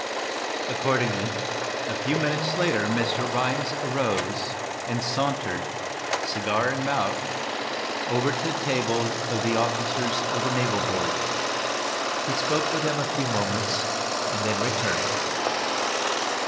Accordingly, a few minutes later, Mr. Rhinds arose, sauntering, cigar in mouth, over to the table of the officers of the naval board. He spoke with them a few moments, then returned.